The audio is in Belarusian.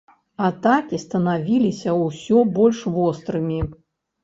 Атакі станавіліся ўсё больш вострымі.